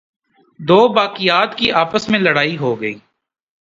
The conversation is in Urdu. دوباقیات کی آپس میں لڑائی ہوگئی۔